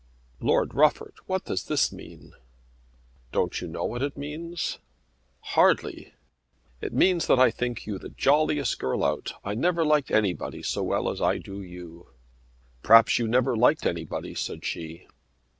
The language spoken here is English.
"Lord Rufford, what does this mean?" "Don't you know what it means?" "Hardly." "It means that I think you the jolliest girl out. I never liked anybody so well as I do you." "Perhaps you never liked anybody," said she.